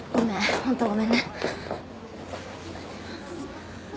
本当ごめんね。